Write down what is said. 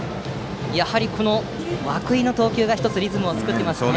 やはり涌井の投球が１つ、リズムを作っていますね。